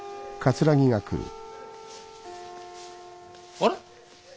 あれ？